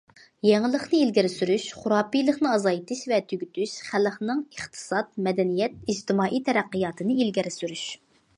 يېڭىلىقنى ئىلگىرى سۈرۈش، خۇراپىيلىقنى ئازايتىش ۋە تۈگىتىش، خەلقنىڭ ئىقتىساد، مەدەنىيەت، ئىجتىمائىي تەرەققىياتىنى ئىلگىرى سۈرۈش.